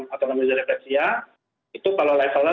autonomia disrefleksia itu kalau levelnya